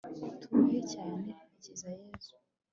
Turuhe cyane Hakizayezu